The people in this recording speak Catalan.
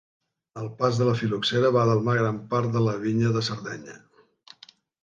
El pas de la fil·loxera va delmar gran part de la vinya de Sardenya.